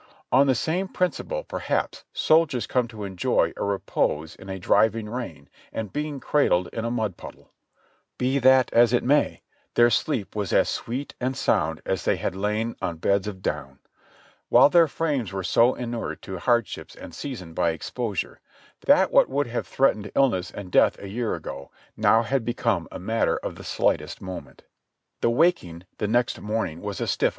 On the same principle perhaps soldiers come to enjoy repose in a driving rain and being cradled in a mud puddle ; be that as it may, their sleep was as sweet and sound as if they had lain on beds of down, while their frames were so inured to hardships and seasoned by exposure, that what would have threatened illness and death a year ago, now had become a mat ter of the slightest moment. The waking the next morning was a stif?